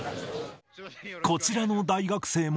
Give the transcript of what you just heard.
こちらの大学生も。